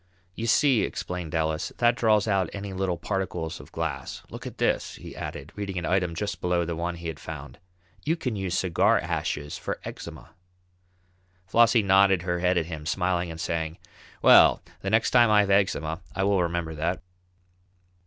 "You see," explained Ellis, "that draws out any little particles of glass. Look at this," he added, reading an item just below the one he had found. "You can use cigar ashes for eczema." Flossie nodded her head at him, smiling and saying: "Well, the next time I have eczema I will remember that."